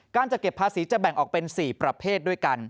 การจัดเก็บภาษีจะแบ่งออกเป็น๔ประเภทด้วยกัน